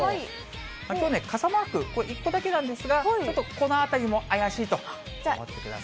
きょうね、傘マーク、これ、１個だけなんですが、ちょっとこのあたりも怪しいと思ってください。